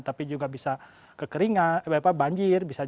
tapi juga kekeringan banjir salinitas atau kegaraman yang tinggi